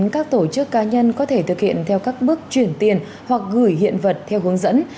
các tổ chức cá nhân có thể thực hiện theo các bước chuyển tiền hoặc gửi hiện vật theo hướng dẫn